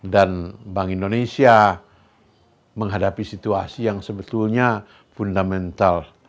dan bank indonesia menghadapi situasi yang sebetulnya fundamental